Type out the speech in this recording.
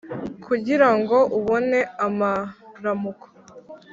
kugira ngo ubone amaramuko.